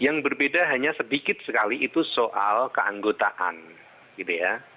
yang berbeda hanya sedikit sekali itu soal keanggotaan gitu ya